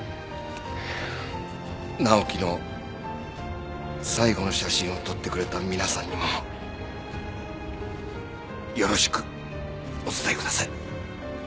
直樹の最後の写真を撮ってくれた皆さんにもよろしくお伝えください。